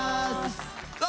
さあ